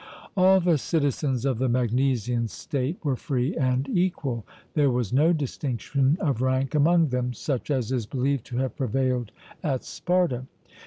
All the citizens of the Magnesian state were free and equal; there was no distinction of rank among them, such as is believed to have prevailed at Sparta.